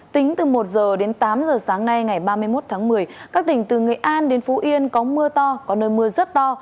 tính từ một h đến tám giờ sáng nay ngày ba mươi một tháng một mươi các tỉnh từ nghệ an đến phú yên có mưa to có nơi mưa rất to